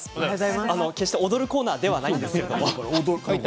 決して踊るコーナーではないです。